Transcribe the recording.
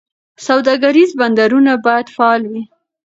سوداګریز بندرونه باید فعال وي.